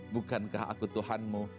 bukankah aku tuhanmu